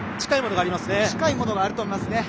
近いものがあると思います。